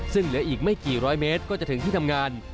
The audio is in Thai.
ซึ่งเหลืออีกไม่กี่ร้อยเมตรก็จะถึงที่ทำงาน